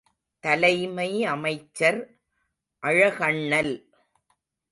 தலைமை அமைச்சர் அழகண்ணல்.